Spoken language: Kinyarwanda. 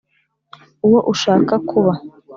uwo ushaka kuba.